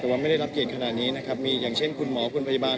แต่ว่าไม่ได้รับเกียรติขนาดนี้นะครับมีอย่างเช่นคุณหมอคุณพยาบาล